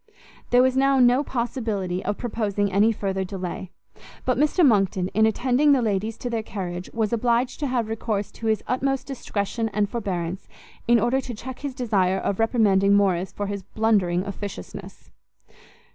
There was now no possibility of proposing any further delay; but Mr Monckton, in attending the ladies to their carriage, was obliged to have recourse to his utmost discretion and forbearance, in order to check his desire of reprimanding Morrice for his blundering officiousness.